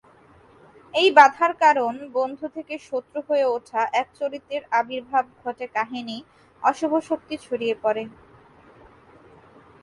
এই বাধার কারণ বন্ধু থেকে শত্রু হয়ে ওঠা এক চরিত্রের আবির্ভাব ঘটে কাহিনি, অশুভ শক্তি ছড়িয়ে পড়ে।